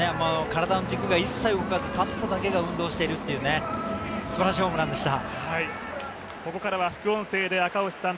体の軸が一切動かず、バットだけが連動しているというすばらしいホームランでした。